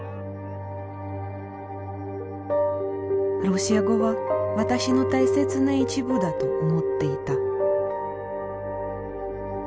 ロシア語は私の大切な一部だと思っていた。